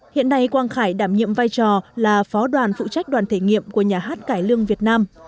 hiện nay quang khải đảm nhiệm vai trò là phó đoàn phụ trách đoàn thể nghiệm của nhà hát cải lương việt nam